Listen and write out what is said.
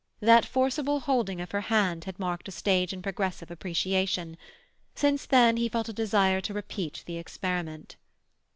That forcible holding of her hand had marked a stage in progressive appreciation; since then he felt a desire to repeat the experiment.